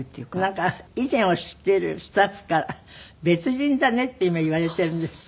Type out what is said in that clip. なんか以前を知っているスタッフから別人だねって今言われているんですって？